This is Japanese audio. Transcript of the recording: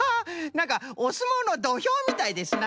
なんかおすもうのどひょうみたいですな。